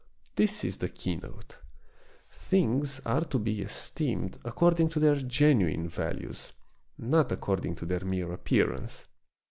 This is the keynote. Things are to be esteemed according to their genuine values, not according to their mere appearance.